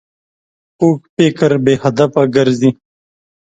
کوږ فکر بې هدفه ګرځي